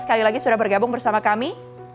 sekali lagi sudah bergabung bersama kami